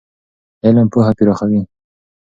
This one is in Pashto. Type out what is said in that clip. علم پوهه پراخوي.